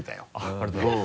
ありがとうございます。